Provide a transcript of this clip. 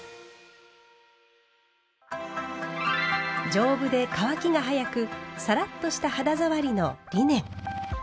丈夫で乾きが早くサラッとした肌触りのリネン。